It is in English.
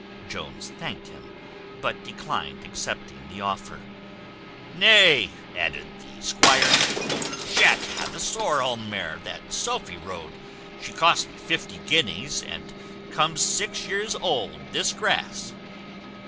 Jones thanked him, but declined accepting the offer. "Nay," added the squire, "sha't ha the sorrel mare that Sophy rode. She cost me fifty guineas, and comes six years old this grass."